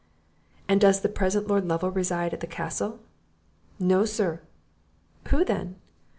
"And does the present Lord Lovel reside at the castle?" "No, sir." "Who then?"